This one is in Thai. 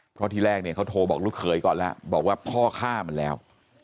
เพราะที่แรกเนี่ยเขาโทรบอกลูกเขยก่อนแล้วบอกว่าพ่อฆ่ามันแล้ว